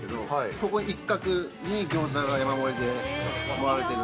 ここ一角にギョーザが山盛りで盛られてる。